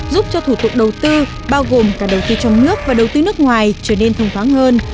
giúp cho thủ tục đầu tư bao gồm cả đầu tư trong nước và đầu tư nước ngoài trở nên thông thoáng hơn